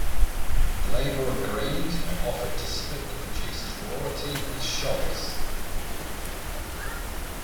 The label agreed, and offered to split the producer's royalty with Scholz.